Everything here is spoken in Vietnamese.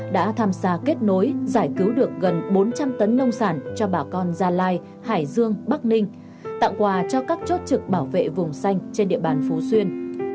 đã tham gia kết nối giải cứu được gần bốn trăm linh tấn nông sản cho bà con gia lai hải dương bắc ninh tặng quà cho các chốt trực bảo vệ vùng xanh trên địa bàn phú xuyên